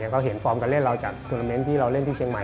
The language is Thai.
เขาเห็นฟอร์มกันเล่นเราจากทัวร์นเตอร์เมนท์ที่เราเล่นที่เชียงใหม่